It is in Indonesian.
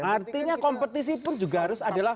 artinya kompetisi pun juga harus adalah